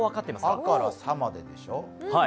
「あ」から「さ」まででしょう？